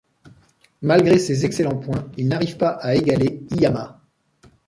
Malgré ses excellents points, il n'arrive pas égaler Hiyama.